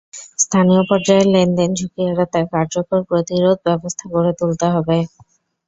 স্থানীয় পর্যায়ের লেনদেনে ঝুঁকি এড়াতে কার্যকর প্রতিরোধ ব্যবস্থা গড়ে তুলতে হবে।